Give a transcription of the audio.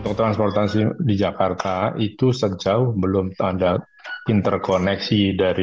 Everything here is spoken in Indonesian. untuk transportasi di jakarta itu sejauh belum ada interkoneksi dari